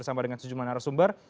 sama dengan sejumlah narasumber